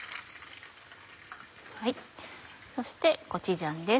そしてコチュジャンです。